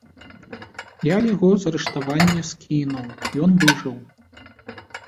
Я яго з рыштавання скінуў, ён выжыў.